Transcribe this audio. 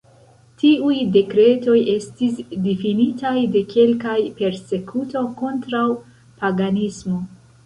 Tiuj dekretoj estis difinitaj de kelkaj Persekuto kontraŭ paganismo.